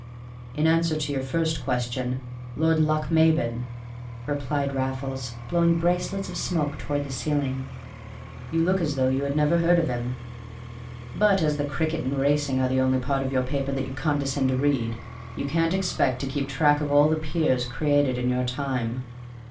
"In answer to your first question Lord Lochmaben," replied Raffles, blowing bracelets of smoke toward the ceiling. "You look as though you had never heard of him; but as the cricket and racing are the only part of your paper that you condescend to read, you can't be expected to keep track of all the peers created in your time.